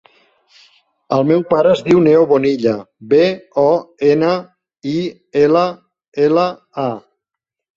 El meu pare es diu Neo Bonilla: be, o, ena, i, ela, ela, a.